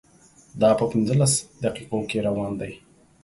دا په پنځلس دقیقو کې روان دی.